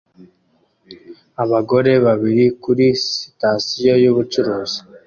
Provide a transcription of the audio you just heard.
Abagore babiri kuri sitasiyo yubucuruzi